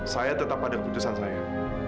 saya tetap pada keputusan saya